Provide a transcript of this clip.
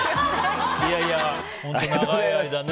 いやいや、本当に長い間ね。